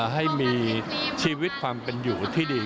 ให้มีชีวิตความเป็นอยู่ที่ดี